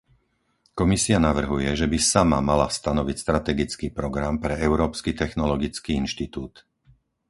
Komisia navrhuje, že by sama mala stanoviť strategický program pre Európsky technologický inštitút.